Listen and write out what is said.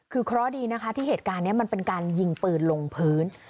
คือเคราะห์ดีนะคะที่เหตุการณ์นี้มันเป็นการยิงปืนลงพื้น